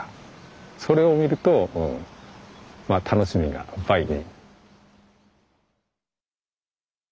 それを見ると楽しみが倍に。